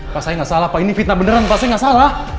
pak saya nggak salah pak ini fitnah beneran pak saya nggak salah